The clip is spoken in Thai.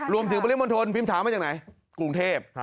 รวมถึงบริมทนพิมทามาจากไหนกรุงเทพฯ